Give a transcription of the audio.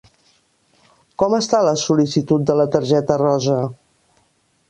Com està la sol·licitud de la targeta rosa?